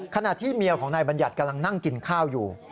ขณะที่เมียของนายบัญญัติกำลังนั่งกินข้าวอยู่